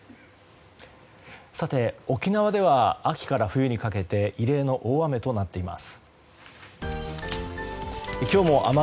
沖縄では秋から冬にかけて異例の大雨となっています。